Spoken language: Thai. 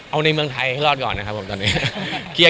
เอาในเมืองไทยให้รอดก่อนนะครับผมตอนนี้